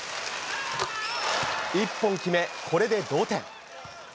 １本決め、これで同点。